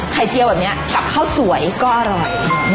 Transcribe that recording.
เจียวแบบนี้กับข้าวสวยก็อร่อย